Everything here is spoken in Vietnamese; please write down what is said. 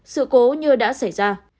sự cố như đã xảy ra